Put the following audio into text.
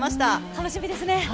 楽しみですね。